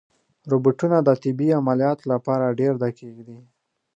روبوټونه د طبي عملیاتو لپاره ډېر دقیق دي.